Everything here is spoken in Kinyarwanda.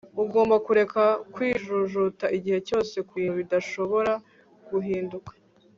Ugomba kureka kwijujuta igihe cyose kubintu bidashobora guhinduka